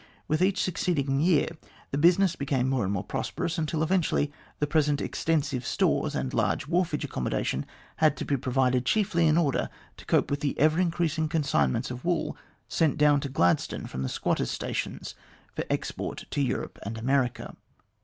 With each succeeding year the business became more and more prosperous, until eventually the present extensive stores and large wharfage accommodation had to be provided, chiefly in order to cope with the ever increasing consign ments of wool sent down to Gladstone from the squatters' stations, for export to Europe and America.